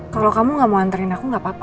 kalau kamu gak mau anterin aku gak apa apa